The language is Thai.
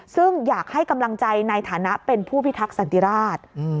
ซึ่งอยากให้กำลังใจในฐานะเป็นผู้พิทักษันติราช